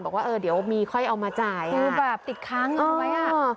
บอกว่าเออเดี๋ยวมีค่อยเอามาจ่ายอะแต่ว่าติดค้างยานไปอะ